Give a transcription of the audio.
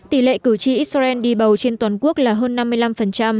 tỷ lệ cử tri israel đi bầu trên toàn quốc là hơn năm mươi năm